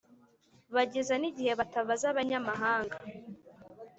bageza n’igihe batabaza abanyamahanga.